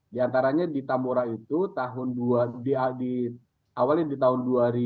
di antaranya di tambora itu awalnya di tahun dua ribu